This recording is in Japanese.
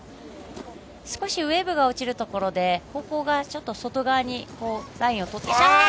ウエーブが落ちるところで方向が外側にラインをとって。